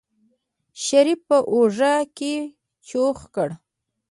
شريف په اوږه کې چوخ کړ.